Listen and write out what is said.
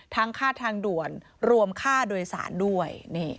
ค่าทางด่วนรวมค่าโดยสารด้วย